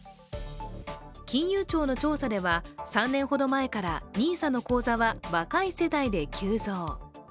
金融庁の調査では、３年ほど前からＮＩＳＡの口座は若い世代で急増。